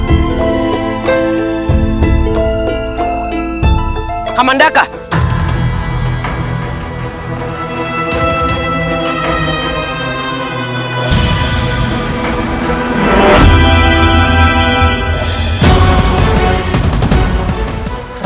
aduh aduh tunggu aja aduh